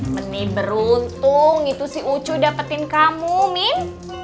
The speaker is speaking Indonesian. meneh beruntung itu si ucuy dapetin kamu min